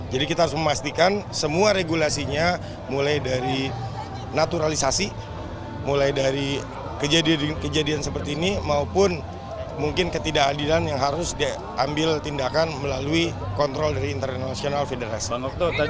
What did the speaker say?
jadi kita harus memastikan semua regulasinya mulai dari naturalisasi mulai dari kejadian seperti ini maupun mungkin ketidakadilan yang harus diambil tindakan melalui kontrol dari international federation